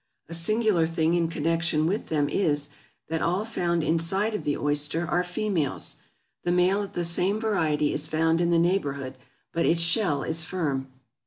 A singular thing in connection with them is, that all found inside of the oyster are females. The male of the same variety is found in the neighborhood, but its shell is firm.